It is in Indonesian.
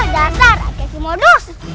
dasar kaki modus